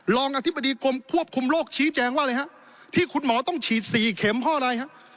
อธิบดีกรมควบคุมโรคชี้แจงว่าอะไรฮะที่คุณหมอต้องฉีดสี่เข็มเพราะอะไรฮะ